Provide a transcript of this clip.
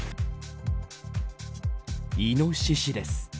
イノシシです。